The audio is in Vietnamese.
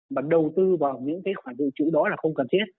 mà đầu tư vào những cái khoản dự trữ đó là không cần thiết